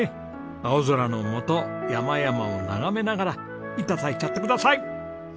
青空の下山々を眺めながら頂いちゃってください！